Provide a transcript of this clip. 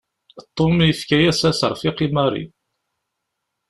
Tom yefka-yas aseṛfiq i Mary.